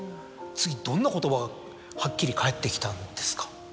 次どんな言葉がはっきり返ってきたんですか？